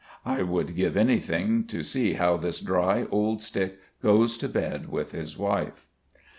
I would give anything to see how this dry old stick goes to bed with his wife.